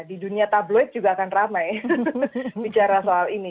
di dunia tabloid juga akan ramai bicara soal ini